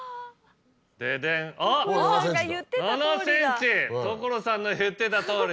デデンあっ７ｃｍ所さんの言ってたとおり。